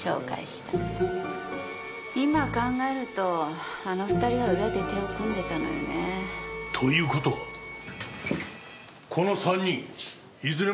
今考えるとあの２人は裏で手を組んでたのよね。という事はこの３人いずれも確たるアリバイはない。